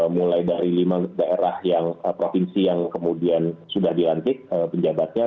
mulai dari lima daerah yang provinsi yang kemudian sudah dilantik penjabatnya